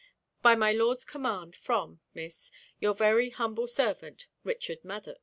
By my Lord's command, from, Miss, your very humble servant, RICHARD MADDOX.'